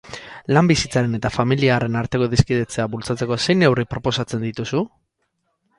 Lan bizitzaren eta familiarren arteko adiskidetzea bultzatzeko zein neurri proposatzen dituzu?